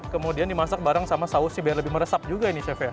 kemudian dimasak bareng sama sausnya biar lebih meresap juga ini chef ya